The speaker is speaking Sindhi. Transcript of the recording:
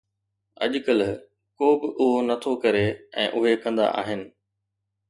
اڄڪلهه، ڪو به اهو نٿو ڪري ۽ اهي ڪندا آهن